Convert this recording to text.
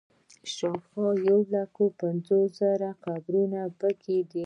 شاوخوا یو لک پنځوس زره قبرونه په کې دي.